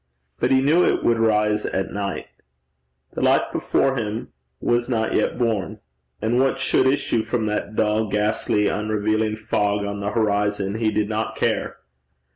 But he knew it would rise at night. The life before him was not yet born; and what should issue from that dull ghastly unrevealing fog on the horizon, he did not care.